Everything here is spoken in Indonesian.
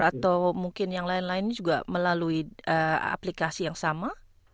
atau mungkin yang lain lain juga melalui aplikasi yang sama